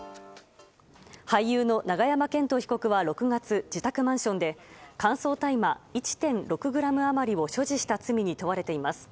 俳優の永山絢斗被告は６月、自宅マンションで乾燥大麻１．６ｇ余りを所持した罪に問われています。